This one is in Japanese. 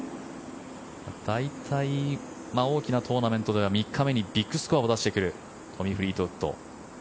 大体、大きなトーナメントでは３日目にビッグスコアを出してくるトミー・フリートウッド。